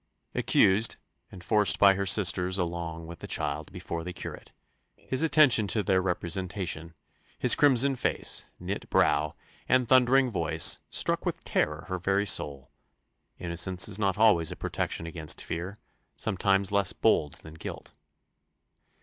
Accused, and forced by her sisters along with the child before the curate, his attention to their representation, his crimson face, knit brow, and thundering voice, struck with terror her very soul: innocence is not always a protection against fear sometimes less bold than guilt.